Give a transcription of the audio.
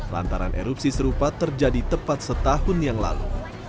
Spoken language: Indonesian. lantaran erupsi serupa terjadi tepat setahun yang lalu